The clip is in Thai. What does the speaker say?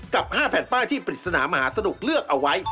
กับ๕แผ่นป้ายที่ปริศนามหาสนุกเลือกเอาไว้